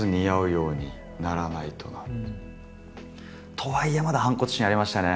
とはいえまだ反骨心ありましたね